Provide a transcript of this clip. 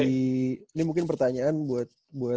ini mungkin pertanyaan buat